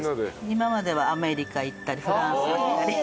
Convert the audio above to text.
今まではアメリカ行ったりフランス行ったり。